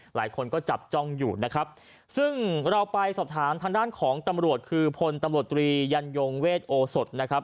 หลายคนก็จับจ้องอยู่นะครับซึ่งเราไปสอบถามทางด้านของตำรวจคือพลตำรวจตรียันยงเวทโอสดนะครับ